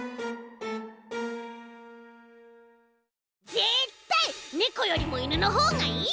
ぜったいねこよりもいぬのほうがいいよ！